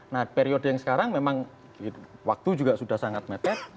nah periode yang sekarang memang waktu juga sudah sangat mepet